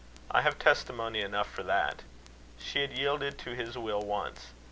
I have testimony enough for that. She had yielded to his will once.